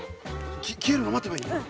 消えるの待てばいいの？